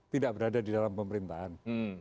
tidak berada di dalam pemerintahan